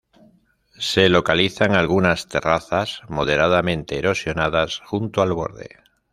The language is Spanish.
Se localizan algunas terrazas moderadamente erosionadas junto al borde.